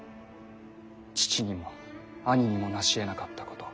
父にも兄にも成しえなかったこと。